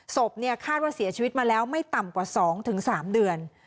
ศพคาดว่าเสียชีวิตมาแล้วไม่ต่ำกว่า๒๓เดือน